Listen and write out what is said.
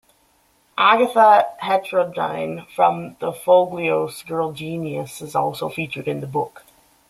Agatha Heterodyne, from the Foglios' "Girl Genius", is also featured in the book.